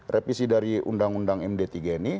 revisi dari undang undang md tiga ini